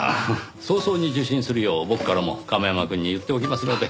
早々に受診するよう僕からも亀山くんに言っておきますので。